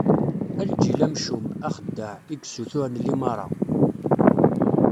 A lǧil amcum, axeddaɛ, i yessuturen limaṛa!